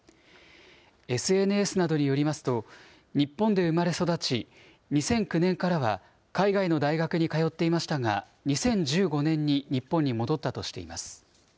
ＳＮＳなどによりますと、日本で生まれ育ち、２００９年からは海外の大学に通っていましたが、２０１５年に日本に戻ったとしています。